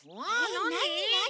なになに？